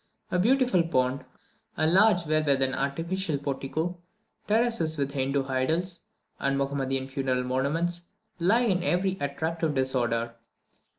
A beautiful pond, a large well with an artificial portico, terraces with Hindoo idols and Mahomedan funeral monuments, lie in very attractive disorder.